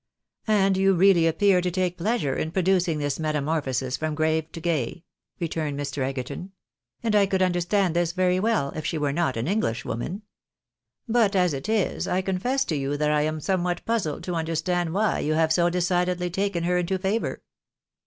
" And you really appear to take pleasure in producing this metamorphosis from grave to gay," returned Mr. Egerton. " And I could understand this very well, if she were not an English woman. But, as it is, I confess to you that I am somewhat puzzled to understand why you have so decidedly taken her into favour."